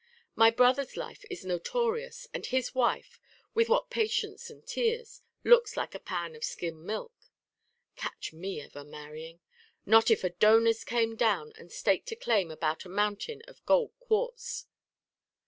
My brother's life is notorious, and his wife, what with patience and tears, looks like a pan of skim milk. Catch me ever marrying! Not if Adonis came down and staked a claim about a mountain of gold quartz.